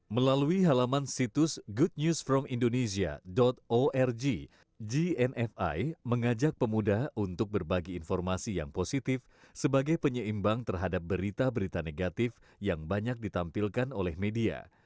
melalui halaman situs good news from indonesia org gnfi mengajak pemuda untuk berbagi informasi yang positif sebagai penyeimbang terhadap berita berita negatif yang banyak ditampilkan oleh media